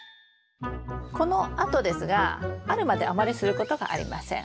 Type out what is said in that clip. このあとですが春まであまりすることがありません。